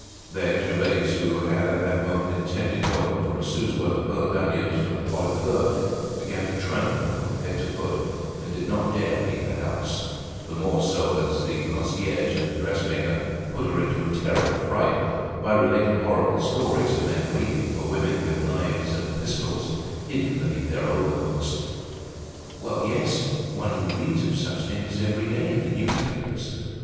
Then Gervaise who had at that moment intended going for a sou's worth of burnt onions for the pot au feu, began to tremble from head to foot and did not dare leave the house; the more so, as the concierge and the dressmaker put her into a terrible fright by relating horrible stories of men waiting for women with knives and pistols hidden beneath their overcoats. Well, yes! one reads of such things every day in the newspapers.